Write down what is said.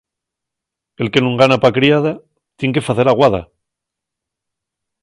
El que nun gana pa criada, tien que facer aguada.